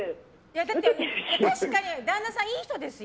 確かに旦那さん、いい人ですよ。